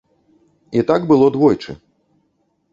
І так было двойчы.